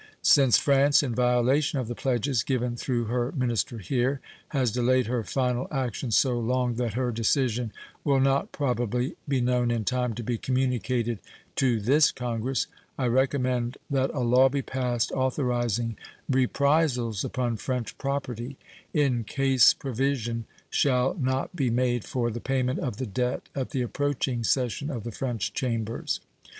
Since France, in violation of the pledges given through her minister here, has delayed her final action so long that her decision will not probably be known in time to be communicated to this Congress, I recommend that a law be passed authorizing reprisals upon French property in case provision shall not be made for the payment of the debt at the approaching session of the French Chambers.